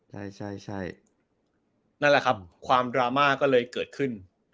นั่นแหละครับความดรามาก็เลยเกิดขึ้น